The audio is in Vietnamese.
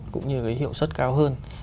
cũng như cái hiệu sất cao hơn